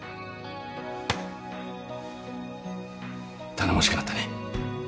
頼もしくなったね。